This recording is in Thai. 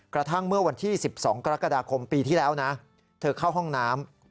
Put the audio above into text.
กระทั่งเมื่อวันที่๑๒กรกฎาคมปีที่แล้วนะเธอเข้าห้องน้ำ